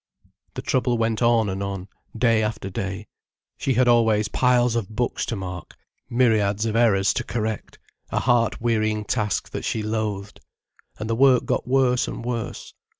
The trouble went on and on, day after day. She had always piles of books to mark, myriads of errors to correct, a heart wearying task that she loathed. And the work got worse and worse.